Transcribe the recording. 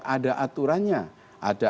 ada aturannya ada